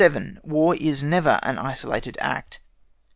WAR IS NEVER AN ISOLATED ACT.